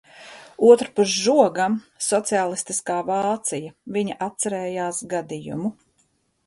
Otrpus žogam – sociālistiskā Vācija. Viņa atcerējās gadījumu.